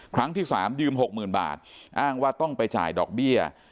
ครั้งที่๓ยืม๖๐๐๐บาทอ้างว่าต้องไปจ่ายดอกเบี้ย